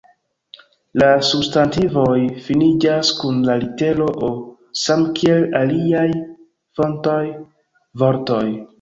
La substantivoj finiĝas kun la litero “O” samkiel aliaj fontaj vortoj.